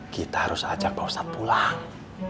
kita harus ajak pak ustadz pulang